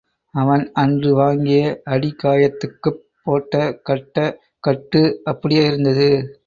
அவன் அன்று வாங்கிய அடிகாயத்துக்குப் போட்ட கட்ட கட்டு அப்படியே இருந்தது.